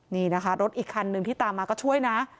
นี่นะคะรถอีกคันหนึ่งที่ตามมาก็ช่วยนะ